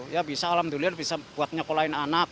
ya bisa alhamdulillah bisa buat nyekolahin anak